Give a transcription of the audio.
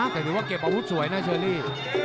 แต่ถือว่าเก็บอาวุธสวยนะเชอรี่